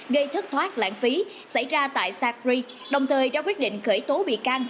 gây thất thoát lãng phí xảy ra tại sài gòn đồng thời ra quyết định khởi tố bị can